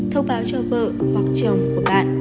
thông báo cho vợ hoặc chồng của bạn